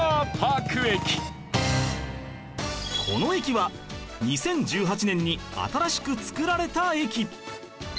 この駅は２０１８年に新しく作られた駅